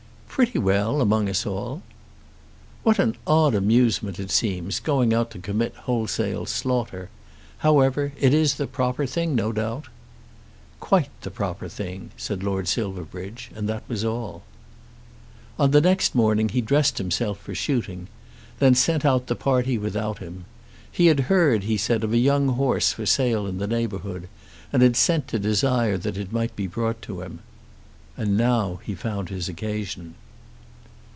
"Pretty well, among us all." "What an odd amusement it seems, going out to commit wholesale slaughter. However it is the proper thing, no doubt." "Quite the proper thing," said Lord Silverbridge, and that was all. On the next morning he dressed himself for shooting, and then sent out the party without him. He had heard, he said, of a young horse for sale in the neighbourhood, and had sent to desire that it might be brought to him. And now he found his occasion.